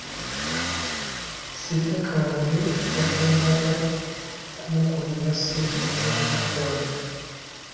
Sitakange yakandanga kumukubira ssimu naye nga takwata.